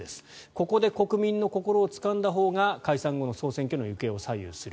ここで国民の心をつかんだほうが解散後の総選挙の行方を左右する。